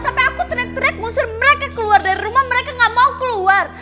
sampai aku teriak teriak musuh mereka keluar dari rumah mereka nggak mau keluar